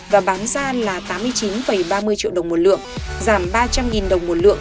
và bán ra là tám mươi chín ba mươi triệu đồng một lượng giảm ba trăm linh đồng một lượng